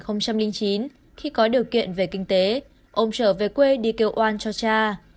năm hai nghìn chín khi có điều kiện về kinh tế ông trở về quê đi kêu oan cho cha